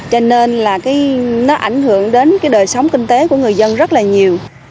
cho nên là nó ảnh hưởng đến đời sống kinh tế của người dân rất là nhiều